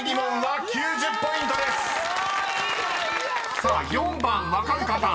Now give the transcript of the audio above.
［さあ４番分かる方。